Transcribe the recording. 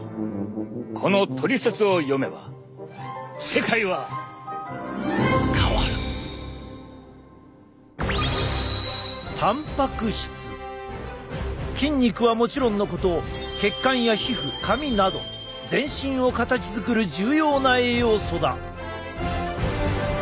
このトリセツを読めば筋肉はもちろんのこと血管や皮膚髪など全身を形づくる重要な栄養素だ！